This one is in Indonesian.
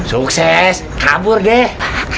sukses kabur deh